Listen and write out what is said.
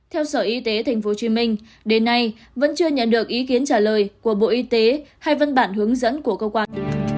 theo sở y tế tp hcm đến nay vẫn chưa nhận được ý kiến trả lời của bộ y tế hay văn bản hướng dẫn của cơ quan